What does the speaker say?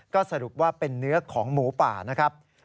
ก็สรุปว่าเป็นเนื้อของหมูป่านะครับ